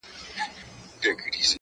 بریالی له هر میدانi را وتلی٫